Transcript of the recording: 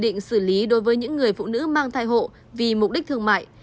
trần thị ba đã quy định xử lý đối với những người phụ nữ mang thai hộ vì mục đích thương mại